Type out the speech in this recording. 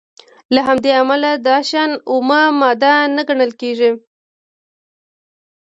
له همدې امله دا شیان اومه ماده نه ګڼل کیږي.